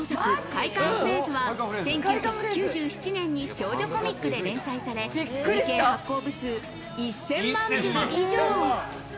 『快感フレーズ』は１９９７年に『少女コミック』で連載され、累計発行部数１０００万部以上。